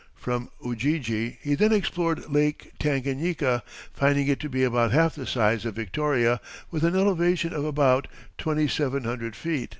From Ujiji he then explored Lake Tanganyika, finding it to be about half the size of Victoria, with an elevation of about twenty seven hundred feet.